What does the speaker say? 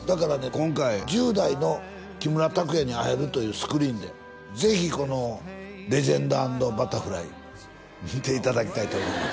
今回１０代の木村拓哉に会えるというスクリーンでぜひこの「レジェンド＆バタフライ」見ていただきたいと思います